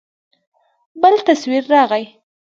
بل تصوير راغى.